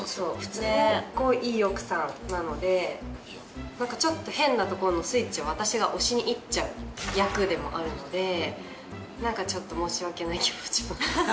普通にいい奥さんなのでなんかちょっと変なとこのスイッチを私が押しにいっちゃう役でもあるのでなんかちょっと申し訳ない気持ちも。